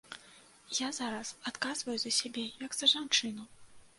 Я зараз адказваю за сябе як за жанчыну.